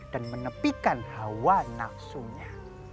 dan menepikan hawa nafsunya